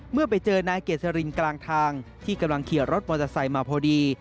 เมื่อไปเจอนายเกษรินกลางทางที่กำลังขี่รถมอเตอร์ไซค์มาพอดี